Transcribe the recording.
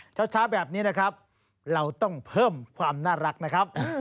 เช้าแบบนี้นะครับเราต้องเพิ่มความน่ารักนะครับ